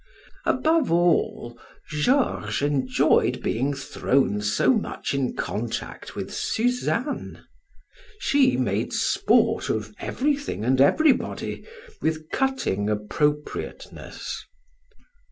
Above all, Georges enjoyed being thrown so much in contact with Suzanne; she made sport of everything and everybody with cutting appropriateness.